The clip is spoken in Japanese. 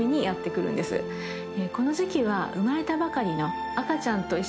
この時期は生まれたばかりの。